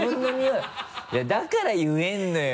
いやだから言えるのよ。